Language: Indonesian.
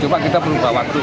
cuma kita berubah waktu